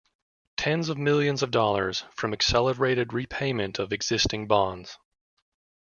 Tens of millions of dollars-from accelerated repayment of existing bonds.